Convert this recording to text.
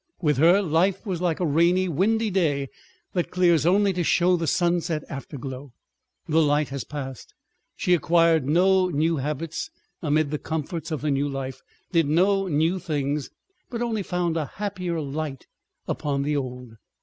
With her, life was like a rainy, windy day that clears only to show the sunset afterglow. The light has passed. She acquired no new habits amid the comforts of the new life, did no new things, but only found a happier light upon the old.